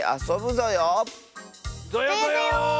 ぞよぞよ。